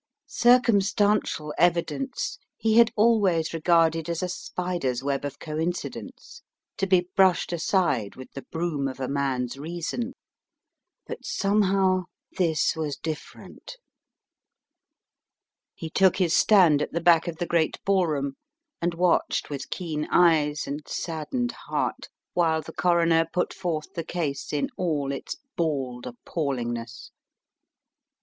Circumstan tial evidence he had always regarded as a spider's web of coincidence to be brushed aside with the broom of a man's reason. But, somehow, this was different. He took his stand at the back of the great ball room, and watched with keen eyes and saddened heart, while the coroner put forth the case in all its bald appallingness.